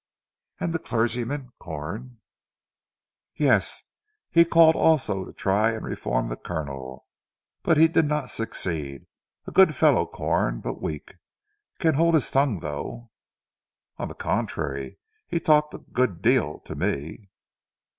"And the clergyman, Corn?" "Yes! He called also to try and reform the Colonel, but he did not succeed. A good fellow Corn, but weak. Can hold his tongue though." "On the contrary he talked a good deal to me."